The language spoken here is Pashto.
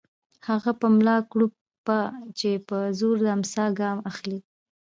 هغه په ملا کړوپه چې په زور د امساء ګام اخلي